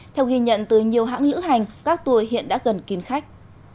theo ghi nhận từ nhiều hãng lữ hành các tour hiện đã gần kín khách